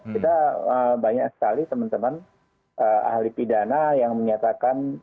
kita banyak sekali teman teman ahli pidana yang menyatakan